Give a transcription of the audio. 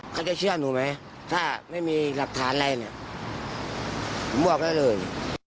เขาจะเชื่อหนูไหมถ้าไม่มีหลักฐานอะไรหมวกแล้วเลย